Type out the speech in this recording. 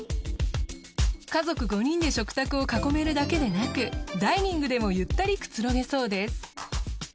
家族５人で食卓を囲めるだけでなくダイニングでもゆったりくつろげそうです。